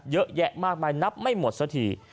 เยอะแยะมากมายนับไม่หมดสักที